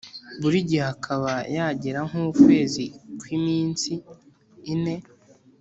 buri gihe akaba yagira nk’ukwezi kw’iminsi ine